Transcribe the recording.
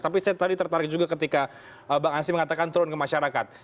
tapi saya tadi tertarik juga ketika bang ansi mengatakan turun ke masyarakat